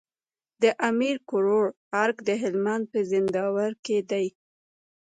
د امير کروړ ارګ د هلمند په زينداور کي دی